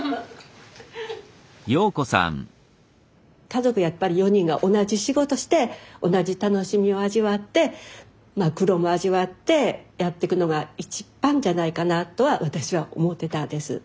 家族やっぱり４人が同じ仕事して同じ楽しみを味わってまあ苦労も味わってやってくのが一番じゃないかなとは私は思ってたんです。